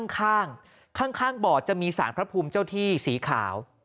ข้างข้างบ่อจะมีสารพระภูมิเจ้าที่สีขาว